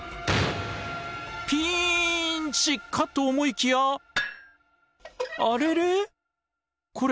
ピンチかと思いきやあれれ？